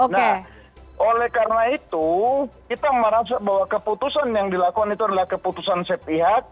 nah oleh karena itu kita merasa bahwa keputusan yang dilakukan itu adalah keputusan sepihak